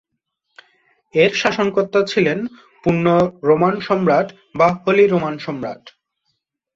এর শাসনকর্তা ছিলেন "পুণ্য রোমান সম্রাট" বা হলি রোমান সম্রাট।